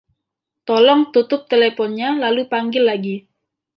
Tolong tutup telponnya lalu panggil lagi.